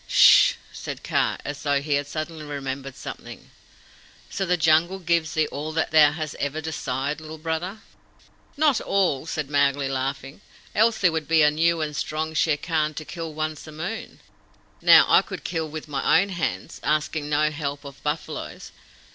"Sssh!" said Kaa, as though he had suddenly remembered something. "So the Jungle gives thee all that thou hast ever desired, Little Brother?" "Not all," said Mowgli, laughing; "else there would be a new and strong Shere Khan to kill once a moon. Now, I could kill with my own hands, asking no help of buffaloes.